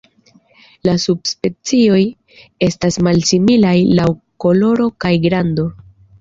La subspecioj estas malsimilaj laŭ koloro kaj grando.